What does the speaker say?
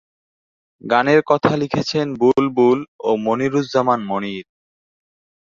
গানের কথা লিখেছেন বুলবুল ও মনিরুজ্জামান মনির।